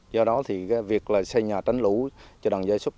do đó thì việc xây nhà tránh lũ cho đoàn dây súc